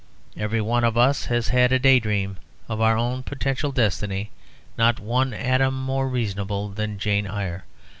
Every one of us has had a day dream of our own potential destiny not one atom more reasonable than "Jane Eyre."